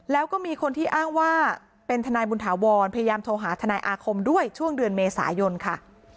แล้วก็มีคนที่อ้างว่าเป็นทนายบุญถาวรพยายามโทรหาทนายอาคมด้วยช่วงเดือนเมษายนค่ะ